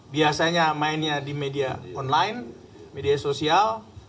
biasanya mainnya di media online media sosial